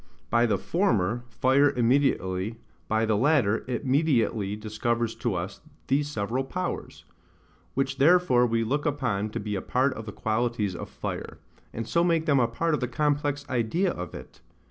By the former, fire immediately, by the latter, it mediately discovers to us these several powers; which therefore we look upon to be a part of the qualities of fire, and so make them a part of the complex idea of it.